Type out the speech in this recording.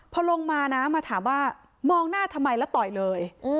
พอลงมานะมาถามว่ามองหน้าทำไมแล้วต่อยเลย